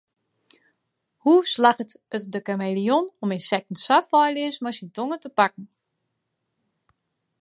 Hoe slagget it de kameleon om ynsekten sa feilleas mei syn tonge te pakken?